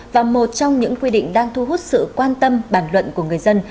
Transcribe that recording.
và một trong những quy định đang thu hút sự quan tâm bàn luận của người dân